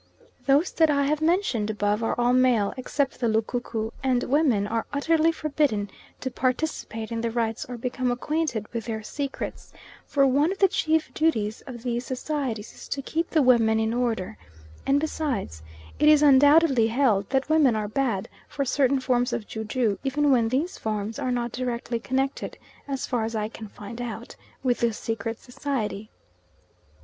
Those that I have mentioned above are all male, except the Lukuku, and women are utterly forbidden to participate in the rites or become acquainted with their secrets, for one of the chief duties of these societies is to keep the women in order; and besides it is undoubtedly held that women are bad for certain forms of ju ju, even when these forms are not directly connected, as far as I can find out, with the secret society.